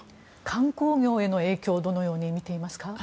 観光業への影響をどのように見ていますか？